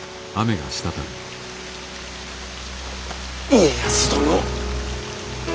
家康殿。